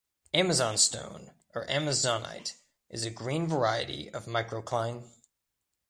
Amazon stone, or amazonite, is a green variety of microcline.